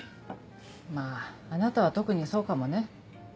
まぁあなたは特にそうかもね。